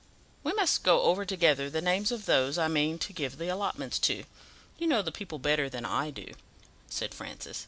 "We must go over together the names of those I mean to give the allotments to. You know the people better than I do," said Francis.